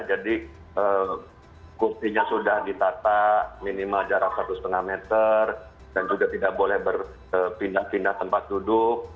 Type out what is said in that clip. jadi kukinya sudah ditata minimal jarak satu setengah meter dan juga tidak boleh berpindah pindah tempat duduk